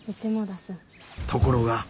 ところが。